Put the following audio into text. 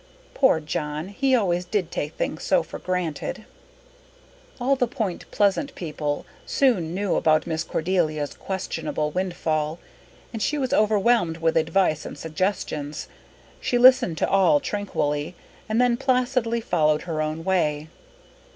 Poor John! He always did take things so for granted." All the point pleasant people soon knew about Miss Cordelia's questionable windfall, and she was overwhelmed with advice and suggestions. She listened to all tranquilly and then placidly followed her own way.